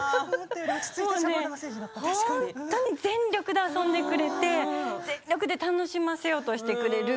本当に全力で遊んでくれて全力で楽しませようとしてくれる。